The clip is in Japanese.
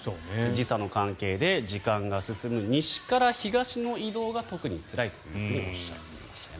時差の関係で時間が進む西から東の移動がつらいとおっしゃっていました。